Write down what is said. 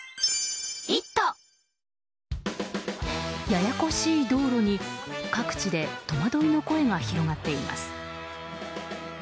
ややこしい道路に、各地で戸惑いの声が広がっています。